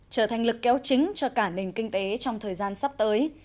trở thành lực kéo chính cho cả nền kinh tế trong thời gian sắp tới